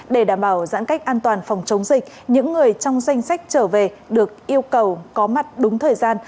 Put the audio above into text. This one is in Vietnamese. để đảm bảo giãn cách an toàn phòng chống dịch những người trong danh sách trở về được yêu cầu có mặt đúng thời gian